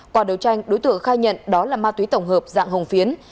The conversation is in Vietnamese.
qua đấu tranh đối tượng khai nhận đó là ma túy tổng hợp dạng hồng phiến